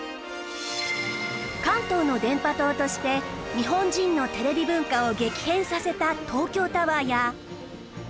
関東の電波塔として日本人のテレビ文化を激変させた東京タワーや